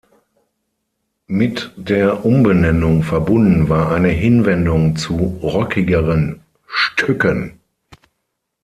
Mit der Umbenennung verbunden war eine Hinwendung zu rockigeren Stücken.